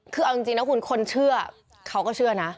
คือเอาจริงนะคุณคนเชื่อเขาก็เชื่อนะ